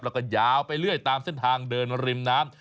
แล้วก็ยาวไปเรื่อยตามเส้นทางเดินริมน้ำ